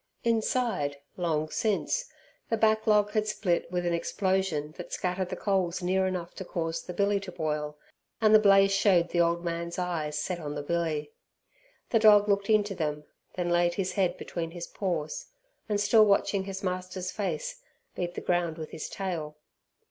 Inside, long since, the back log had split with an explosion that scattered the coals near enough to cause the billy to boil, and the blaze showed the old man's eyes set on the billy. The dog looked into them, then laid his head between his paws, and, still watching his master's face, beat the ground with his tail.